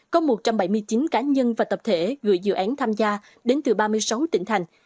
có một trăm bảy mươi chín cá nhân và tập thể gửi dự án tham gia đến từ ba mươi sáu tỉnh thành